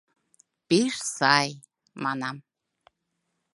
— Пеш сай, манам.